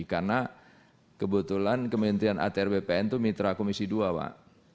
karena kebetulan kementerian atr bpn itu mitra komisi dua pak